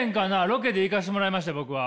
ロケで行かしてもらいました僕は。